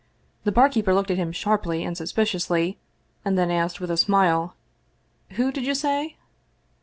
The barkeeper looked at him sharply and suspiciously, and then asked, with a smile: "Who did you say?"